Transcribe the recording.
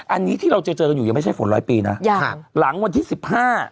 อันนี้ที่เราจะเจอกันอยู่ยังไม่ใช่ฝนร้อยปีนะยังครับหลังวันที่สิบห้า